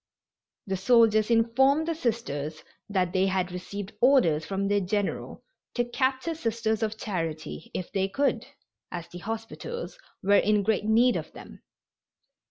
The soldiers informed the Sisters that they had received orders from their general "to capture Sisters of Charity, if they could," as the hospitals were in great need of them.